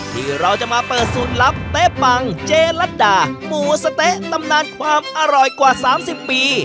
ที่เราจะมาเปิดสูตรลับเต๊ะปังเจลัดดาหมูสะเต๊ะตำนานความอร่อยกว่า๓๐ปี